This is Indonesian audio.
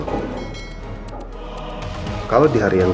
itu ada yang hidup dlatego